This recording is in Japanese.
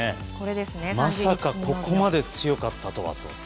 まさかここまで強かったとはと。